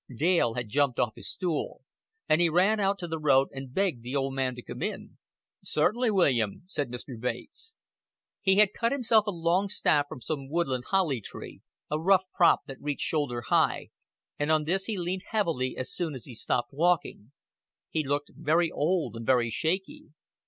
Dale had jumped off his stool; and he ran out to the road and begged the old man to come in. "Certainly, William," said Mr. Bates. He had cut himself a long staff from some woodland holly tree, a rough prop that reached shoulder high, and on this he leaned heavily as soon as he stopped walking. He looked very old and very shaky.